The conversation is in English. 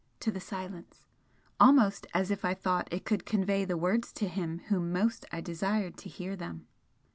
to the silence, almost as if I thought it could convey the words to him whom most I desired to hear them.